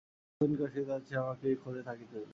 যত দিন কাশীতে আছি, আমাকে এই খোঁজেই থাকিতে হইবে।